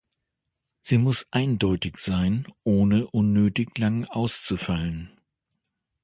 Sie muss eindeutig sein, ohne unnötig lang auszufallen.